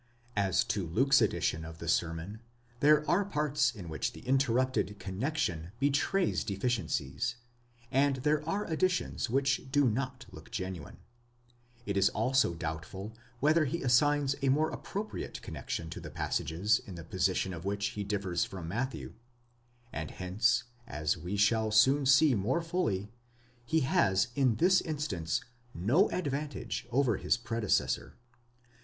® As to Luke's edition of the sermon, there are parts in which the interrupted connexion betrays deficiencies, and there are additions which do not look genuine ; 7 it is also doubtful whether he assigns a more appropriate connexion to the passages in the position of which he differs from Matthew ; 8 and hence, as we shall soon see more fully, he has in this instance no advantage over his predecessor.